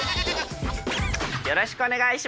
よろしくお願いします。